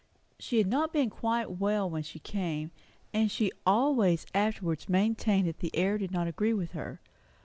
She had not been quite well when she came; and she always afterwards maintained that the air did not agree with her.